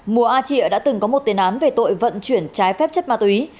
mùa a chịa đã từng có một tên án về tội vận chuyển trái phép chất ma túy